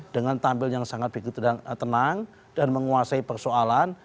dengan tampil yang sangat begitu tenang dan menguasai persoalan